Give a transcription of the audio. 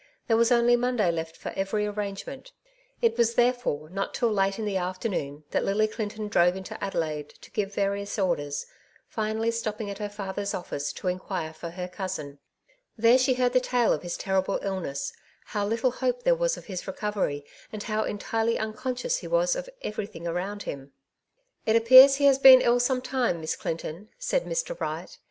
There was only Monday left for every arrangement ; it was therefore not till late in the afternoon that Lily Clinton drove into Adelaide to give various orders, finally stopping at her father's office to inquire for her cousin. There she heard the tale of his terrible illness ; how little hope there was of his recovery, and how entirely unconscious he was of everything around him. "It appears he has been ill some time. Miss Clinton,^' said Mr. Wright.